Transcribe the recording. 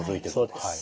そうです。